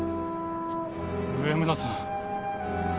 上村さん